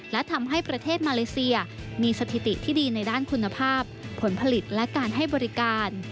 และทำให้ประเทศมาเลเซียมีสถิติที่ดีในด้านคุณภาพผลผลิตและการให้บริการ